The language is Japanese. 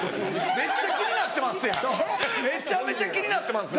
めちゃめちゃ気になってますね。